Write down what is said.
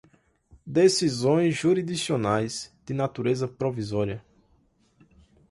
decisões jurisdicionais, de natureza provisória